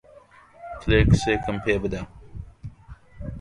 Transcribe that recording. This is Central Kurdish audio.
کلێنکسێکم پێ بدە.